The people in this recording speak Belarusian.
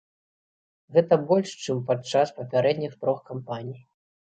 Гэта больш, чым падчас папярэдніх трох кампаній.